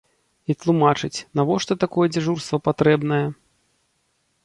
І тлумачыць, навошта такое дзяжурства патрэбнае.